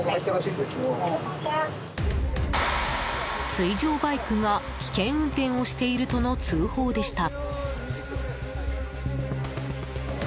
水上バイクが危険運転をしているとの通報でした。